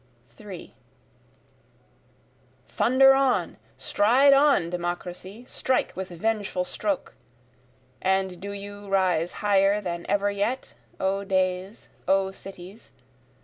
3 Thunder on! stride on, Democracy! strike with vengeful stroke! And do you rise higher than ever yet O days, O cities!